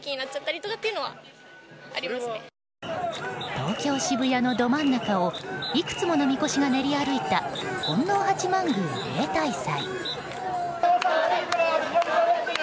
東京・渋谷のど真ん中をいくつものみこしが練り歩いた金王八幡宮例大祭。